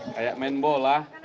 kayak main bola